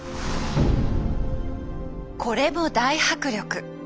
これも大迫力。